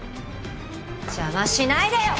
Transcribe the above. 邪魔しないでよ！